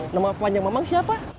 nama panjang memang siapa